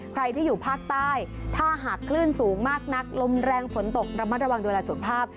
ใครที่อยู่ภาคใต้ถ้าหากคลื่นสูงมากนักลมแรงฝนตกระมัดระวังดูแลสุขภาพ